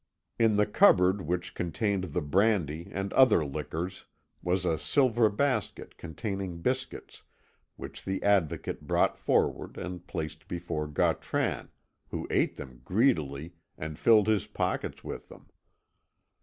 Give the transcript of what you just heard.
In the cupboard which contained the brandy and other liquors was a silver basket containing biscuits, which the Advocate brought forward and placed before Gautran, who ate them greedily and filled his pockets with them.